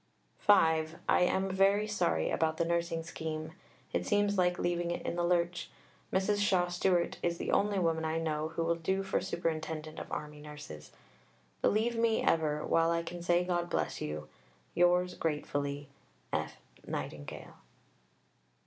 (5) I am very sorry about the Nursing scheme. It seems like leaving it in the lurch. Mrs. Shaw Stewart is the only woman I know who will do for Superintendent of Army Nurses. Believe me ever, while I can say God bless you, yours gratefully, F. NIGHTINGALE.